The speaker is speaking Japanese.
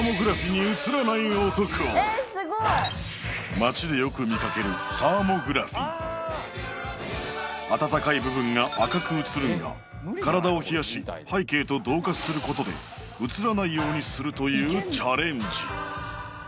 街でよく見かけるサーモグラフィ温かい部分が赤く映るが体を冷やし背景と同化することで映らないようにするというチャレンジ